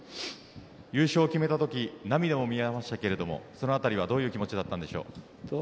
優勝を決めたとき涙も見えましたがそのあたりは、どういう気持ちだったんでしょう？